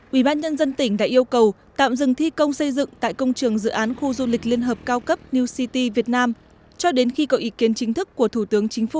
ubnd tỉnh đã yêu cầu tạm dừng thi công xây dựng tại công trường dự án khu du lịch liên hợp cao cấp new city việt nam cho đến khi có ý kiến chính thức của thủ tướng chính phủ